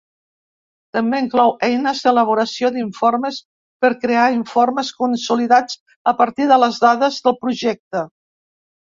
També inclou eines d'elaboració d'informes per crear informes consolidats a partir de les dades del projecte.